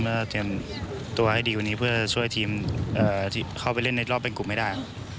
เพื่อเตรียมตัวให้ดีกว่านี้เพื่อช่วยทีมเข้าไปเล่นในรอบเป็นกลุ่มให้ได้